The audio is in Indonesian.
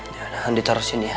jangan di taruh sini ya